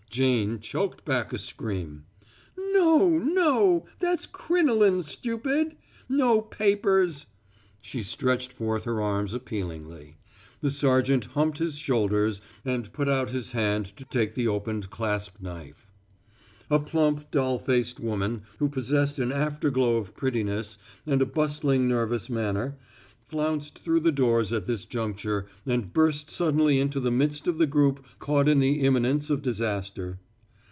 Jane choked back a scream. "No, no! That's crinoline, stupid! No papers " She stretched forth her arms appealingly. The sergeant humped his shoulders and put out his hand to take the opened clasp knife. A plump doll faced woman, who possessed an afterglow of prettiness and a bustling nervous manner, flounced through the doors at this juncture and burst suddenly into the midst of the group caught in the imminence of disaster.